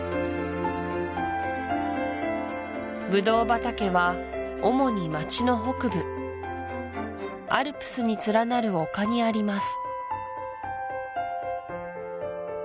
ブドウ畑は主に町の北部アルプスに連なる丘にあります